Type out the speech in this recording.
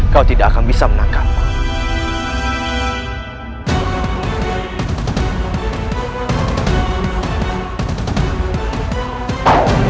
kau tidak akan bisa menangkapmu